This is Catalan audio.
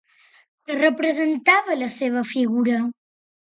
Què representava la seva figura?